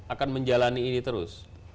akan menjalani ini terus